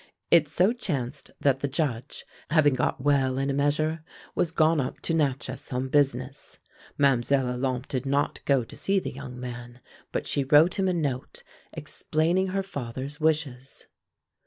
It so chanced that the Judge, having got well in a measure, was gone up to Natchez on business. Mlle. Olympe did not go to see the young man; but she wrote him a note explaining her father's wishes.